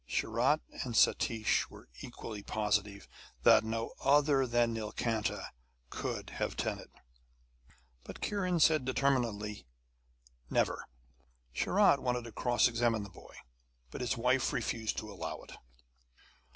Sharat and Satish were equally positive that no other than Nilkanta could have done it. But Kiran said determinedly: 'Never.' Sharat wanted to cross examine the boy, but his wife refused to allow it.